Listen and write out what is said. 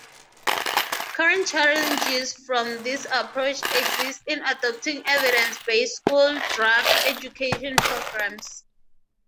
Current challenges from this approach exist in adopting evidence-based school drug education programmes.